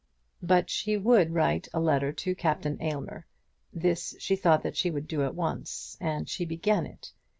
But she would write a letter to Captain Aylmer. This she thought that she would do at once, and she began it.